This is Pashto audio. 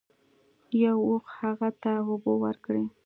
یو اوښ هغه ته اوبه ورکړې.